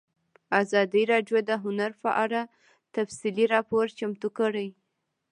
ازادي راډیو د هنر په اړه تفصیلي راپور چمتو کړی.